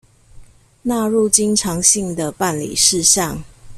納入經常性的辦理事項